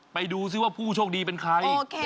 ไปดูซิว่าผู้โชคดีเป็นใคร